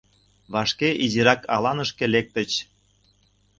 Вашке изирак аланышке лектыч.